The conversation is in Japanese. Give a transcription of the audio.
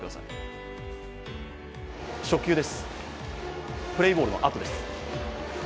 初球です、プレーボールのあとです。